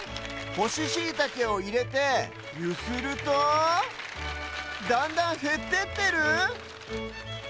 ほしシイタケをいれてゆするとだんだんへってってる？